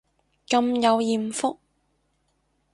咁有艷福